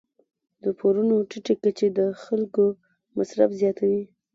د پورونو ټیټې کچې د خلکو مصرف زیاتوي.